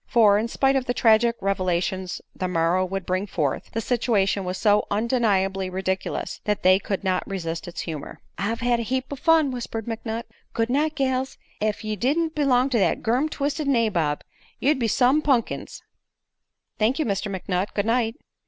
For, in spite of the tragic revelations the morrow would bring forth, the situation was so undeniably ridiculous that they could not resist its humor. "I've had a heap o' fun," whispered McNutt. "Good night, gals. Ef ye didn't belong to thet gum twisted nabob, ye'd be some pun'kins." "Thank you, Mr. McNutt. Good night."